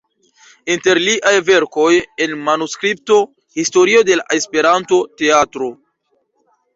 Inter liaj verkoj en manuskripto: Historio de la Esperanto-teatro.